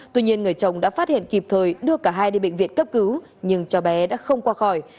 tuy nhiên người chồng đã phát hiện kịp thời đưa cả hai đi bệnh viện cấp cứu nhưng cháu bé đã không qua khỏi